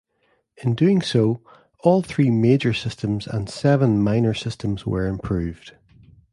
In doing so, all three major systems and seven minor systems were improved.